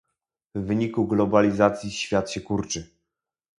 W wyniku globalizacji świat się kurczy